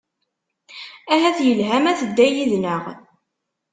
Ahat yelha ma tedda yid-nneɣ.